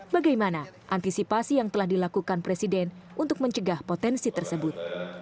bagaimana antisipasi yang telah dilakukan presiden untuk mencegah potensi tersebut